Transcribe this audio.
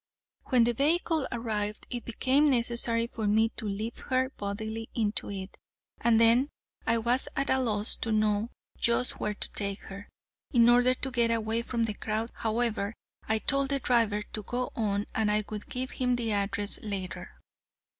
When the vehicle arrived it became necessary for me to lift her bodily into it, and then I was at a loss to know just where to take her. In order to get away from the crowd, however, I told the driver to go on and I would give him the address later.